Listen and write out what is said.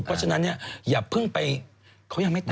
เพราะฉะนั้นเนี่ยอย่าเพิ่งไปเขายังไม่ตาย